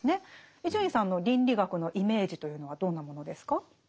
伊集院さんの倫理学のイメージというのはどんなものですか？